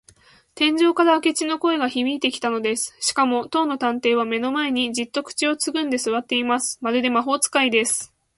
天井から明智の声がひびいてきたのです。しかも、当の探偵は目の前に、じっと口をつぐんですわっています。まるで魔法使いです。